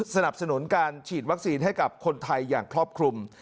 สนับสนุนการฉีดวัคซีนให้กับคนไทยอย่างครอบคลุม